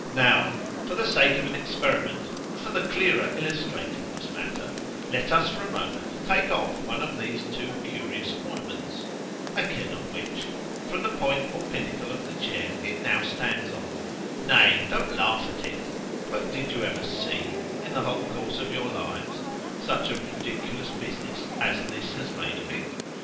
_ Now for the sake of an experiment, and for the clearer illustrating this matter—let us for a moment take off one of these two curious ornaments (I care not which) from the point or pinnacle of the chair it now stands on—nay, don't laugh at it,—but did you ever see, in the whole course of your lives, such a ridiculous business as this has made of it?